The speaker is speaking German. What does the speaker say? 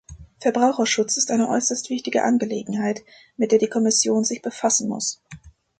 Verbraucherschutz ist eine äußerst wichtige Angelegenheit, mit der die Kommission sich befassen muss.